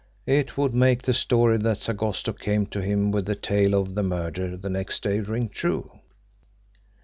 It would make the story that Sagosto came to him with the tale of the murder the next day ring true.